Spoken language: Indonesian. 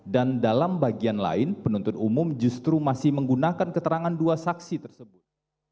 dalam bagian lain penuntut umum justru masih menggunakan keterangan dua saksi tersebut